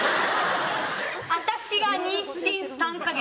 私が妊娠３カ月。